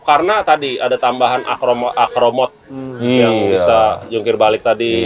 karena tadi ada tambahan acromode yang bisa jungkir balik tadi